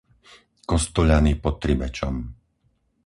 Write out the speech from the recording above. Kostoľany pod Tribečom